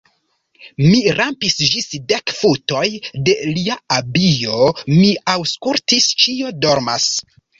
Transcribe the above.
Mi rampis ĝis dek futoj de lia abio, mi aŭskultis: ĉio dormas.